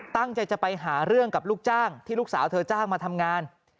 ตั้งใจจะไปหาเรื่องกับลูกจ้างที่ลูกสาวเธอจ้างมาทำงาน